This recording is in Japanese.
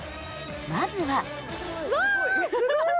まずは。